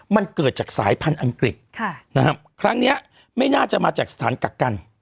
มันเกิดจากสายพันธุ์อังกฤษครั้งนี้ไม่น่าจะมาจากสถานกักกัน